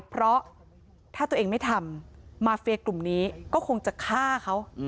เพราะถ้าตัวเองไม่ทำมาเฟียกลุ่มนี้ก็คงจะฆ่าเขา